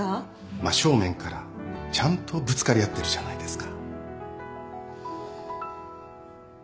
真正面からちゃんとぶつかり合ってるじゃないですか。